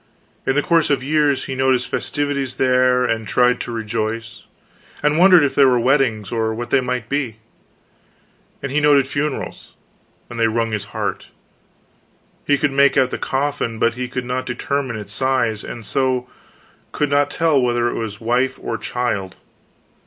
In the course of years he noted festivities there, and tried to rejoice, and wondered if they were weddings or what they might be. And he noted funerals; and they wrung his heart. He could make out the coffin, but he could not determine its size, and so could not tell whether it was wife or child.